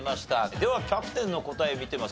ではキャプテンの答え見てみますかね。